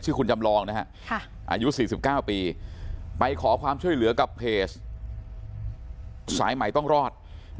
คุณจำลองนะฮะอายุ๔๙ปีไปขอความช่วยเหลือกับเพจสายใหม่ต้องรอด